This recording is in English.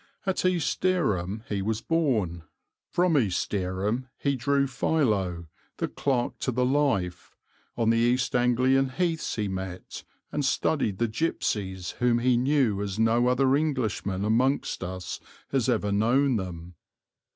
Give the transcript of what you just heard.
At East Dereham he was born, from East Dereham he drew Philo the clerk to the life, on the East Anglian heaths he met and studied the gipsies whom he knew as no other Englishman amongst us has ever known them.